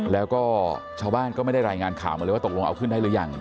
แล้วก็ชาวบ้านก็ไม่ได้รายงานข่าวมาเลยว่าตกลงเอาขึ้นได้หรือยัง